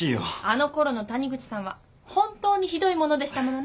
あのころの谷口さんは本当にひどいものでしたものね。